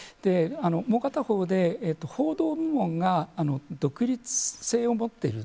もう片方で報道部門が独立性を持っている。